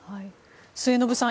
末延さん